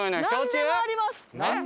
なんでもあります。